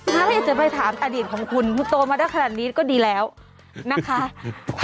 ถ้าไม่อยากจะไปถามอดีตของคุณคุณโตมาได้ขนาดนี้ก็ดีแล้วนะคะ